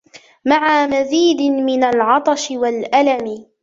مع مزيد من العطش والألم